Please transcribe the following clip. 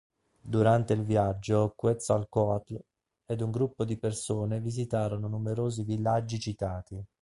Durante il viaggio Quetzalcoatl ed un gruppo di persone visitarono numerosi villaggi citati.